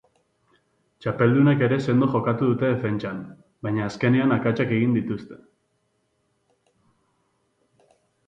Txapeldunek ere sendo jokatu dute defentsan, baina azkenean akatsak egin dituzte.